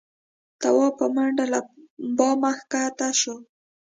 تواب په منډه له بامه کښه شو.